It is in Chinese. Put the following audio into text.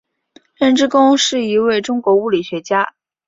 任之恭是一位中国物理学家。